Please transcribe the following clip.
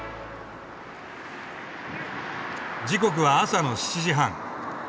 時刻は朝の７時半。